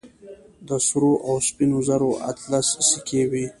د سرو او سپينو زرو اتلس سيکې وې.